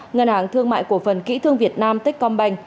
ngân hàng thương mại cổ phần kỹ thương việt nam tích com banh